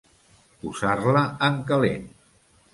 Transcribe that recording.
Posar-la en calent.